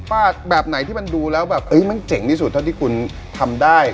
แบบไหนที่มันดูแล้วแบบมันเจ๋งที่สุดเท่าที่คุณทำได้